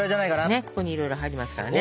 ねっここにいろいろ入りますからね！